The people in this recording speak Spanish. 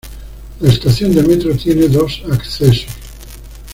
La estación de metro tiene dos accesos.